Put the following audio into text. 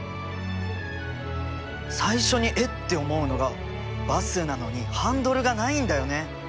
最初にえっ？って思うのがバスなのにハンドルがないんだよね。